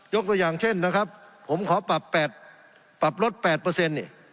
ยกตัวอย่างเช่นนะครับผมขอปรับลด๘เนี่ย